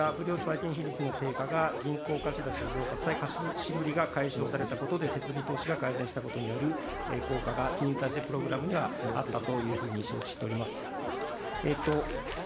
不良債権処理を通じた不良債権比率の低下が銀行貸し出しを増加し、貸し渋りが解消されたことで、設備投資が改善したことによる、効果が、金融再生プログラムにはあったというふうに承知しております。